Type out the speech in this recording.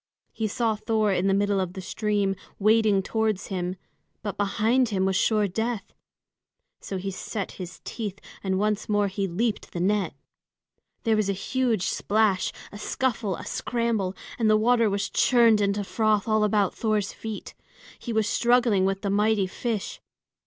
He saw Thor in the middle of the stream wading towards him; but behind him was sure death. So he set his teeth and once more he leaped the net. There was a huge splash, a scuffle, a scramble, and the water was churned into froth all about Thor's feet. He was struggling with the mighty fish.